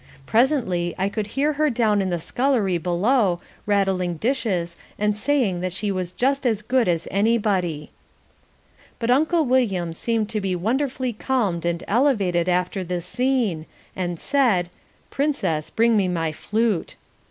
Presently I could hear her down in the scullery below, rattling dishes and saying that she was just as good as anybody. But Uncle William seemed to be wonderfully calmed and elevated after this scene, and said, "Princess, bring me my flute."